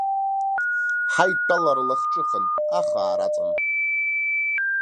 Ҳаидтәалара лахҿыхын, ахаара аҵан.